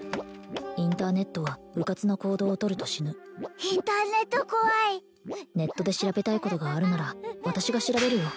インターネットはうかつな行動を取ると死ぬインターネット怖いネットで調べたいことがあるなら私が調べるよ